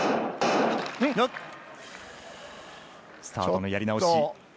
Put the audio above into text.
スタートのやり直し。